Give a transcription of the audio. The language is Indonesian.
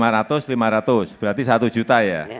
rp lima ratus rp lima ratus berarti rp satu ya